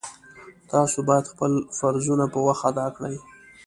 تاسو باید خپل فرضونه په وخت ادا کړئ